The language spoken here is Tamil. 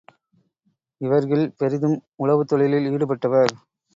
இவர்கிள் பெரிதும் உழவுத் தொழிலில் ஈடுபட்டவர்.